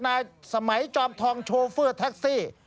สมัยจอมทองโชเฟอร์แท็กซี่